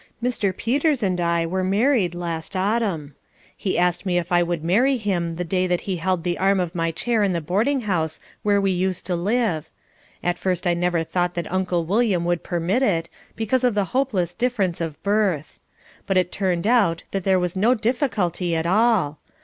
Mr. Peters and I were married last autumn. He asked me if I would marry him the day that he held the arm of my chair in the boarding house where we used to live. At first I never thought that Uncle William would permit it, because of the hopeless difference of birth. But it turned out that there was no difficulty at all.